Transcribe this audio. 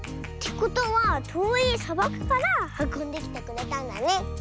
ことはとおいさばくからはこんできてくれたんだね。